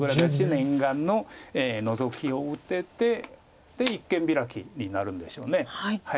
念願のノゾキを打てて一間ビラキになるんでしょう。